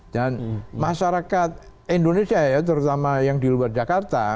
dan masyarakat indonesia ya terutama yang di luar jakarta